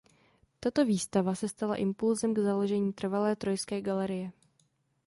Tato výstava se stala impulsem k založení trvalé trojské galerie.